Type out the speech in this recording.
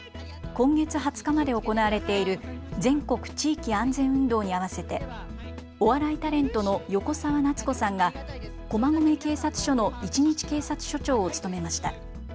今月２０日まで行われている全国地域安全運動に合わせてお笑いタレントの横澤夏子さんが駒込警察署の一日警察署長を務めました。